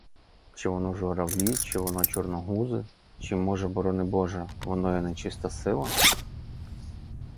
Чи воно журавлі, чи воно чорногузи, чи, може, борони боже, воно є нечиста сила?